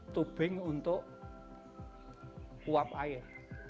tubing untuk kuap air